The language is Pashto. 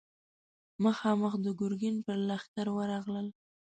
مخامخ د ګرګين پر لښکر ورغلل.